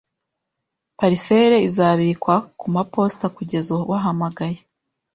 Parcelle izabikwa kumaposita kugeza ubahamagaye.